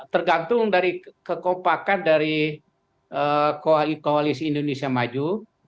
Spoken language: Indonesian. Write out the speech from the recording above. tergantung dari kekompakan dari koalisi indonesia maju